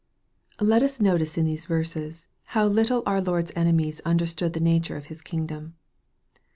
LET us notice in these verses, how little our Lord's enemies understood the nature of His kingdom.